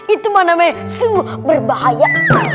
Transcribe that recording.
itu mana mana yang sungguh berbahaya